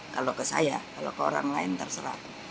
kalau ke saya kalau ke orang lain terserah